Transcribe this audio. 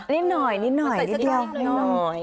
นิดหน่อยนิดเดียว